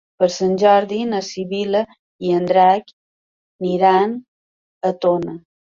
Per Sant Jordi na Sibil·la i en Drac iran a Tona.